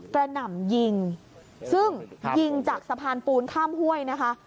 หน่ำยิงซึ่งยิงจากสะพานปูนข้ามห้วยนะคะ